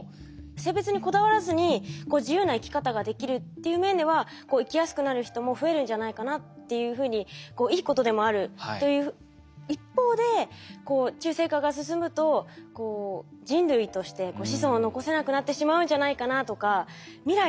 性別にこだわらずに自由な生き方ができるっていう面では生きやすくなる人も増えるんじゃないかなっていうふうにいいことでもあるという一方で中性化が進むと人類として子孫を残せなくなってしまうんじゃないかなとか未来